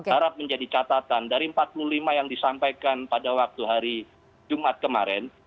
harap menjadi catatan dari empat puluh lima yang disampaikan pada waktu hari jumat kemarin